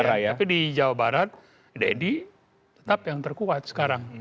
tapi di jawa barat deddy tetap yang terkuat sekarang